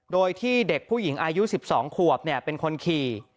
โดยที่เด็กผู้หญิงอายุ๑๒ขวบเป็นคนขี่